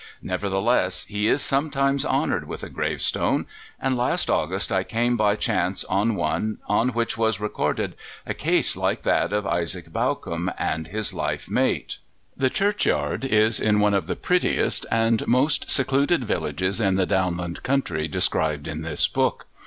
Nevertheless, he is sometimes honoured with a gravestone, and last August I came by chance on one on which was recorded a case like that of Isaac Bawcombe and his life mate. The churchyard is in one of the prettiest and most secluded villages in the downland country described in this book.